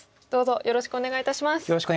よろしくお願いします。